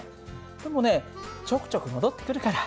でもねちょくちょく戻ってくるから。